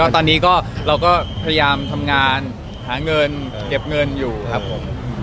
ตอนนี้เราก็พยายามทำงานหาเงินเก็บเงินอยู่ครับผม